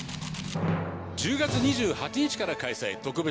１０月２８日から開催特別展